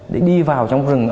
để đi vào trong rừng